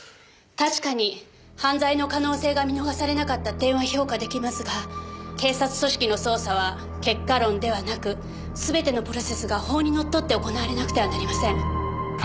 確かに犯罪の可能性が見逃されなかった点は評価出来ますが警察組織の捜査は結果論ではなく全てのプロセスが法にのっとって行われなくてはなりません。